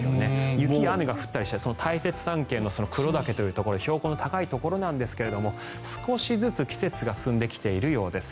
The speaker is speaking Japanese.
雪や雨が降ったりして大雪山系の黒岳というところ標高の高いところなんですが少しずつ季節が進んできているようです。